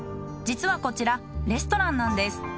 実はこちらレストランなんです。